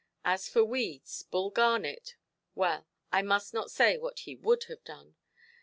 As for weeds, Bull Garnet—well, I must not say what he would have done.